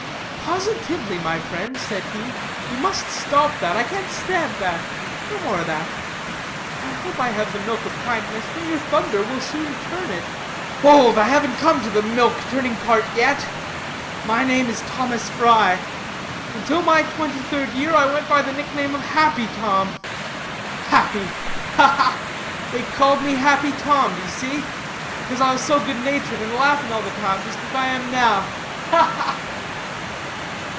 "Positively, my friend," said he, "you must stop that; I can't stand that; no more of that. I hope I have the milk of kindness, but your thunder will soon turn it." "Hold, I haven't come to the milk turning part yet. My name is Thomas Fry. Until my twenty third year I went by the nickname of Happy Tom happy ha, ha! They called me Happy Tom, d'ye see? because I was so good natured and laughing all the time, just as I am now ha, ha!"